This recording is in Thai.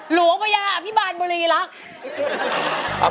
หลวงพระยาอภิบาลบรีลักษณ์